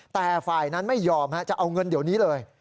แต่ฝ่ายนั้นไม่ยอมจะเอาเงินเดี๋ยวนี้เลย